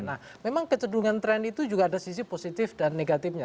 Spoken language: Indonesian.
nah memang kecedungan tren itu juga ada sisi positif dan negatifnya